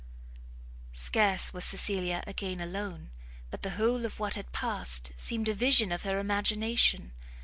Scarce was Cecilia again alone, but the whole of what had passed seemed a vision of her imagination.